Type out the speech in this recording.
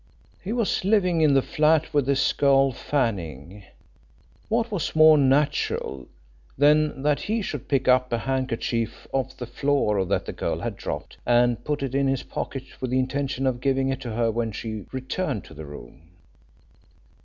He was living in the flat with this girl Fanning: what was more natural than that he should pick up a handkerchief off the floor that the girl had dropped and put it in his pocket with the intention of giving it to her when she returned to the room?